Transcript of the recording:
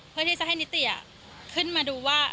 เพื่อที่จะให้นิติขึ้นมาดูว่า